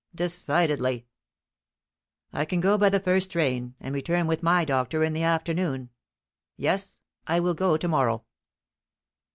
"Decidedly." "I can go by the first train, and return with my doctor in the afternoon. Yes, I will go tomorrow."